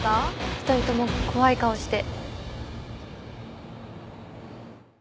２人とも怖い顔して。